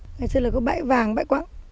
ngày xưa là có bãi vàng bãi quãng